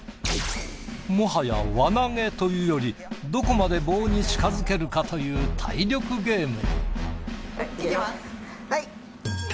もはや輪投げというよりどこまで棒に近づけるかという体力ゲーム。